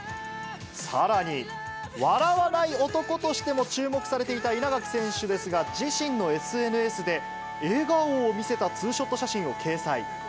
さらに、笑わない男としても注目されていた稲垣選手ですが、自身のＳＮＳで、笑顔を見せたツーショット写真を掲載。